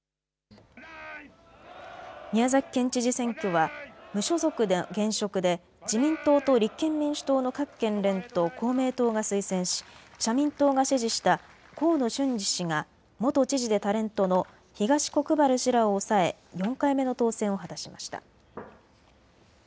宮崎県知事選挙は無所属の現職で自民党と立憲民主党の各県連と公明党が推薦し社民党が支持した河野俊嗣氏が元知事でタレントの東国原英夫氏らを抑え４回目の当選を果たしました。